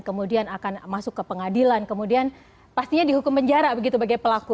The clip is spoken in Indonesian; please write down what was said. kemudian akan masuk ke pengadilan kemudian pastinya dihukum penjara begitu bagi pelaku